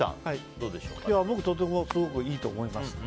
僕、とてもすごくいいと思います。